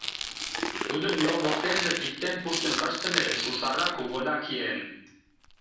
Тудын йол воктенже пиктен пуштын пыштыме Шушара куголя киен.